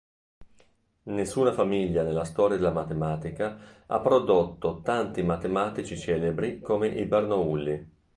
Nessuna famiglia nella storia della matematica ha prodotto tanti matematici celebri come i Bernoulli.